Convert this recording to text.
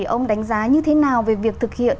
ông đánh giá như thế nào về việc thực hiện